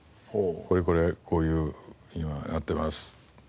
これこれこういう今やってます。